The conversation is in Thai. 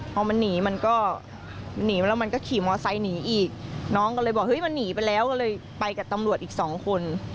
พอมันหนีมันก็หนีมาแล้วมันก็ขี่มอไซค์หนีอีกน้องก็เลยบอกเฮ้ยมันหนีไปแล้วก็เลยไปกับตำรวจอีกสองคน